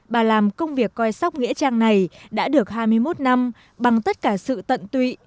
bà làm công việc coi sóc nghĩa trang này đã được hai mươi một năm bằng tất cả sự tận tụy